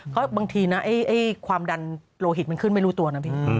เพราะบางทีนะความดันโลหิตมันขึ้นไม่รู้ตัวนะพี่